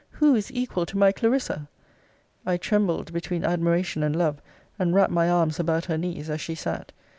Who is equal to my Clarissa? I trembled between admiration and love; and wrapt my arms about her knees, as she sat.